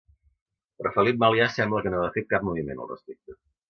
Però Felip Melià sembla que no va fer cap moviment al respecte.